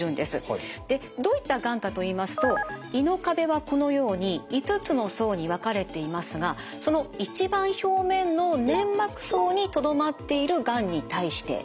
でどういったがんかといいますと胃の壁はこのように５つの層に分かれていますがその一番表面の粘膜層にとどまっているがんに対してです。